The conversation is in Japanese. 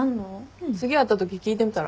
次会ったとき聞いてみたら？